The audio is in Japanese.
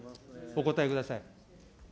お答えください。